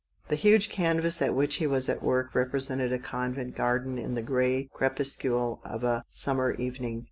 The huge canvas at which he was at work represented a convent garden in the grey crepuscule of a summer evening.